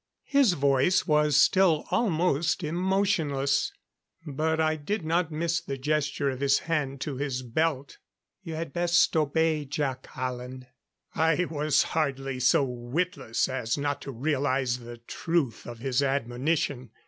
His voice was still almost emotionless, but I did not miss the gesture of his hand to his belt. "You had best obey, Jac Hallen." I was hardly so witless as not to realize the truth of his admonition.